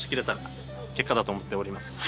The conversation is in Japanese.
だと思っております。